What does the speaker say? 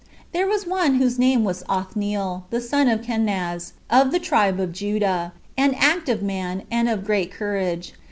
There was one whose name was Othniel, the son of Kenaz, of the tribe of Judah, an active man and of great courage.